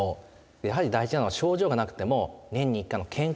やはり大事なのは症状がなくても年に１回の健康診断ですね。